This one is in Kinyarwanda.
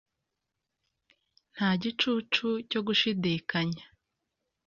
Nta gicucu cyo gushidikanya